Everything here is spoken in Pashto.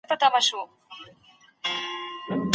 ایا په پوهنتونونو کي د محصلانو اتحادیې فعالې دي؟